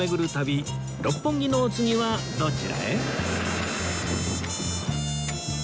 六本木のお次はどちらへ？